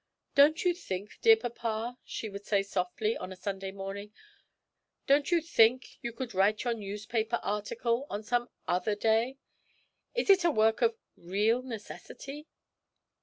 'Don't you think, dear papa,' she would say softly, on a Sunday morning, 'don't you think you could write your newspaper article on some other day is it a work of real necessity?'